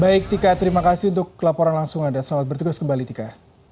baik tika terima kasih untuk laporan langsung anda selamat bertugas kembali tika